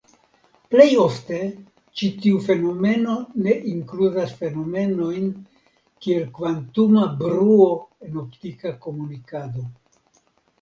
Plej ofte ĉi tiu fenomeno ne inkludas fenomenojn kiel kvantuma bruo en optika komunikado.